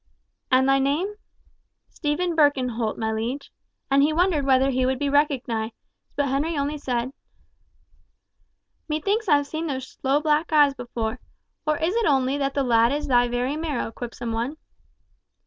"And thy name?" "Stephen Birkenholt, my liege," and he wondered whether he would be recognised; but Henry only said— "Methinks I've seen those sloe black eyes before. Or is it only that the lad is thy very marrow, quipsome one?"